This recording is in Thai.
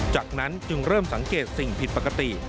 จากนั้นจึงเริ่มสังเกตสิ่งผิดปกติ